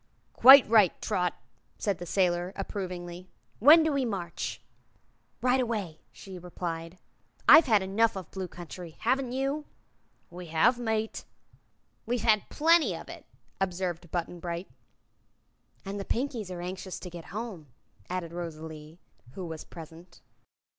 "Quite right, Trot," said the sailor, approvingly. "When do we march?" "Right away," she replied. "I've had enough of the Blue Country. Haven't you?" "We have, mate." "We've had plenty of it," observed Button Bright. "And the Pinkies are anxious to get home," added Rosalie, who was present.